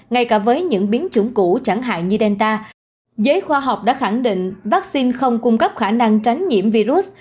ngay cả với những biến chủng cũ chẳng hạn như delta giới khoa học đã khẳng định vaccine không cung cấp khả năng tránh nhiễm virus